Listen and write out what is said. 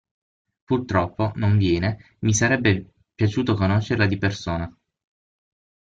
Purtroppo, non viene, mi sarebbe piaciuto conoscerla di persona.